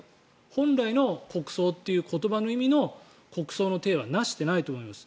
本来の国葬という言葉の意味の国葬の体は成してないと思います。